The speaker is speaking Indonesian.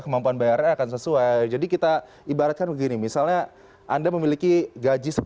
kemampuan bayarnya akan sesuai jadi kita ibaratkan begini misalnya anda memiliki gaji